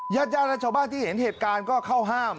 ญาติญาติและชาวบ้านที่เห็นเหตุการณ์ก็เข้าห้าม